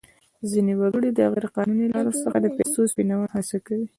ځینې وګړي د غیر قانوني لارو څخه د پیسو سپینولو هڅه کوي.